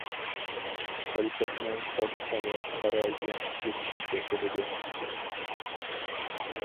تەلپەكنىڭ قاسقىنى قارا يۇڭ يىپتىن توقۇلىدۇ.